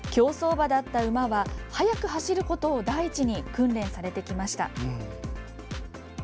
競走馬だった馬は速く走ることを第一に訓練されてきました。